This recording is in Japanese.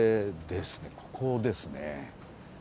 ここですね。